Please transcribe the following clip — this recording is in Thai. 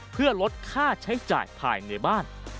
เพื่อลดค่าใช้จ่ายภายในบ้าน